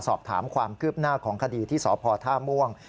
สอบถามความคืบหน้าของคดีที่สพท่าม่วง